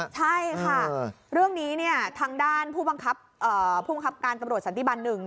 ใช่ค่ะเรื่องนี้ทางด้านผู้บังคับการตำรวจสันติบัน๑